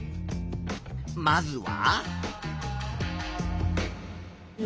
まずは？